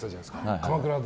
「鎌倉殿」。